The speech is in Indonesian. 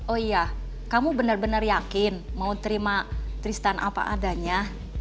oh iya kamu benar benar yakin mau terima tristan apa adanya